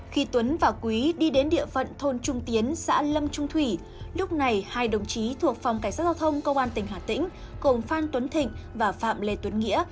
khi tuấn và quý đi đến địa phận thôn trung tiến xã lâm trung thủy lúc này hai đồng chí thuộc phòng cảnh sát giao thông công an tỉnh hà tĩnh cùng phan tuấn thịnh và phạm lê tuấn nghĩa